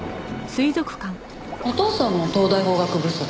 お父さんも東大法学部卒？